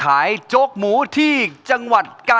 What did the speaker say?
และสำหรับรอบออดิชั่นในวันนี้ครับ